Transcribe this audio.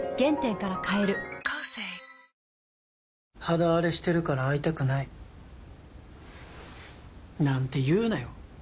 肌あれしてるから会いたくないなんて言うなよ